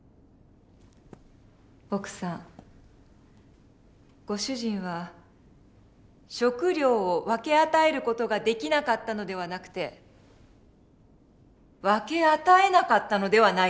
奥さんご主人は食料を分け与える事ができなかったのではなくて分け与えなかったのではないですか？